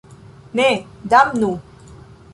Ne, damnu.